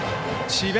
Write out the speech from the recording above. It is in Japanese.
智弁